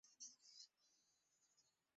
চিন্তা করো না, টাইগার এখনো বেঁচে আছে।